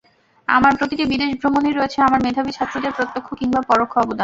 আমার প্রতিটি বিদেশ ভ্রমণেই রয়েছে আমার মেধাবী ছাত্রদের প্রত্যক্ষ কিংবা পরোক্ষ অবদান।